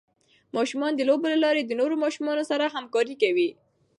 ماشومان د لوبو له لارې د نورو ماشومانو سره همکاري کوي.